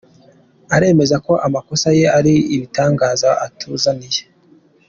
Aremeza ko amakosa ye ari ibitangaza atuzaniye